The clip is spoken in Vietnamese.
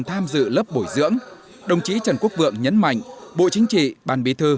tham dự lớp bồi dưỡng đồng chí trần quốc vượng nhấn mạnh bộ chính trị ban bí thư